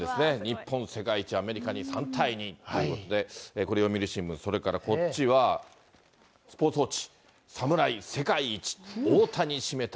日本世界一、アメリカに３対２ということで、これ読売新聞、それからこっちはスポーツ報知、侍世界一、大谷締めた！